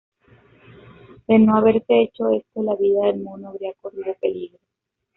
De no haberse hecho esto, la vida del mono habría corrido peligro.